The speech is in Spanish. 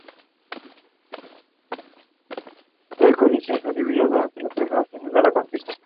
Construyen nidos muy poco consistentes y ponen dos huevos.